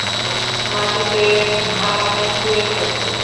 মাটিতে আরামে শুয়ে থাকব।